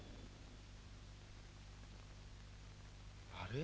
あれ？